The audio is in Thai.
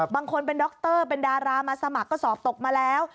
บางคนเป็นดรเป็นดารามาสมัครก็สอบตกมาแล้ว